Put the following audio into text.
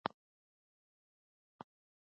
د جګړې ډګر د وینو او اور ډک و.